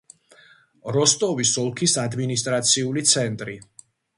როსტოვის ოლქის ადმინისტრაციული ცენტრი.